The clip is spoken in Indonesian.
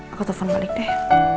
aku telfon balik deh